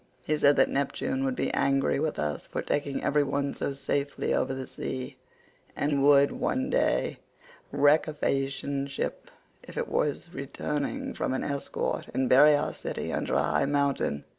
He said that Neptune would be angry with us for taking every one so safely over the sea, and would one day wreck a Phaeacian ship as it was returning from an escort, and bury our city under a high mountain.